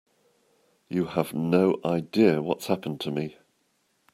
You have no idea what's happened to me.